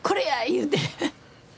言うて。